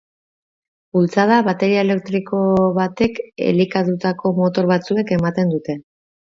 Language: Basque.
Bultzada, bateria elektriko batek elikatutako motor batzuek ematen dute.